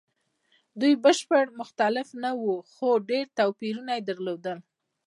دوی بشپړ مختلف نه وو؛ خو ډېر توپیرونه یې درلودل.